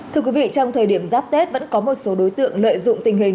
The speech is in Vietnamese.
trong thời điểm giáp tết vẫn có một số đối tượng lợi dụng tình hình